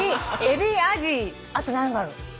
エビアジあと何がある？